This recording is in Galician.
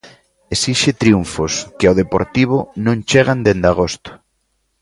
Esixe triunfos, que ao Deportivo non chegan dende agosto.